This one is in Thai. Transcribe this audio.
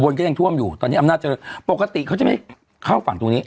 อุบรุณก็ยังท่วมอยู่ตอนนี้อำนาจเจริญปกติเขาจะทำงานตรงนี้